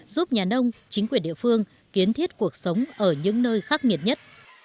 giúp nhà nông chính quyền địa phương kiến thiết cuộc sống ở những nơi khắc nghiệt nhất